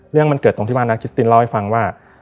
เรื่องมันเกิดตรงที่ว่านักคิสตินเล่าให้ฟังว่า